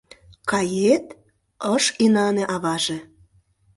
— Кает?! — ыш инане аваже.